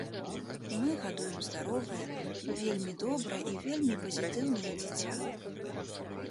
Мы гадуем здаровае, вельмі добрае і вельмі пазітыўнае дзіця.